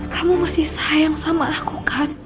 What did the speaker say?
kamu masih sayang sama aku kan